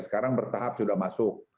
sekarang bertahap sudah masuk